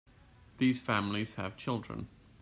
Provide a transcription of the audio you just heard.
These families have children.